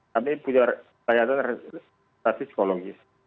kami punya perlindungan psikologis